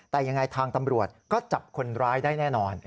แต่ยังไงทางตำรวจก็จับคนร้ายได้แน่นอน